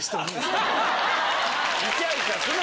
イチャイチャすな！